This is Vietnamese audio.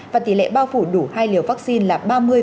và tỷ lệ bao phủ đủ hai liều vaccine là ba mươi bảy